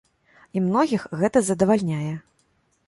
І многіх гэта задавальняе.